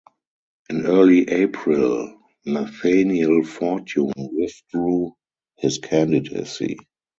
In early April, Nathaniel Fortune withdrew his candidacy.